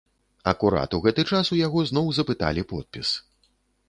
Акурат у гэты час у яго зноў запыталі подпіс.